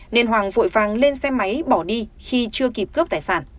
nên hoàng vội vàng lên xe máy bỏ đi khi chưa kịp cướp tài sản